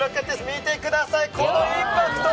見てください、このインパクト！